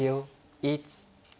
１。